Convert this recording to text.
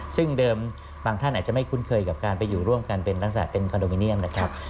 ซึ่งเดิมบางท่านอาจจะไม่คุ้นเคยกับการไปอยู่ร่วมกันเป็นลักษณะเป็นคอนโดมิเนียมนะครับ